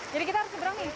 jadi kita harus seberang ini